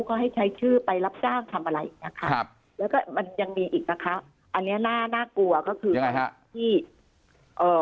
เขาให้ใช้ชื่อไปรับกล้างทำอะไรอีกนะคะแล้วก็มันยังมีอีกนะคะอันนี้น่ากลัวก็คือ